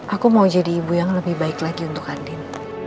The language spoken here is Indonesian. aku mau jadi ibu yang lebih baik lagi untuk andin